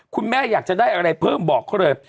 คุณแม่อยากจะได้อะไรเพิ่มบอกเขาเลย